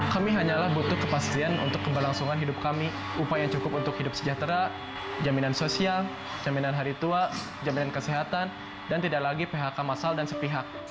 kami hanyalah butuh kepastian untuk keberlangsungan hidup kami upaya yang cukup untuk hidup sejahtera jaminan sosial jaminan hari tua jaminan kesehatan dan tidak lagi phk masal dan sepihak